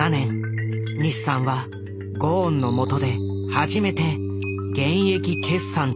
日産はゴーンのもとで初めて減益決算となる。